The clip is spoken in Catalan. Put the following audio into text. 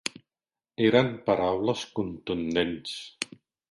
Eren paraules contundents.